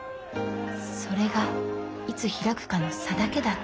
それがいつ開くかの差だけだって。